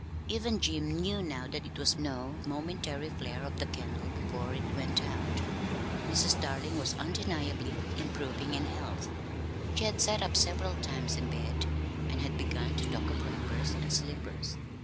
Even Jim knew now that it was no momentary flare of the candle before it went out. Mrs. Darling was undeniably improving in health. She had sat up several times in bed, and had begun to talk of wrappers and slippers.